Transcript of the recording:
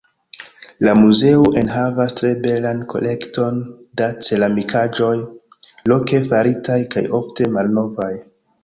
La muzeo enhavas tre belan kolekton da ceramikaĵoj, loke faritaj kaj ofte malnovaj.